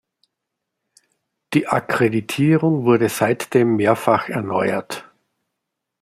Die Akkreditierung wurde seitdem mehrfach erneuert.